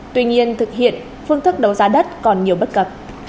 tuy nhiên thực hiện phương thức đấu giá đất còn nhiều bất cập